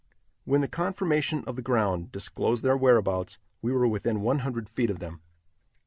When the conformation of the ground disclosed their whereabouts, we were within one hundred feet of them.